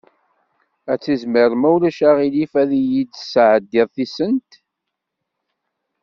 Ad tizmireḍ ma ulac aɣilif ad iyi-d-tesɛeddiḍ tisent?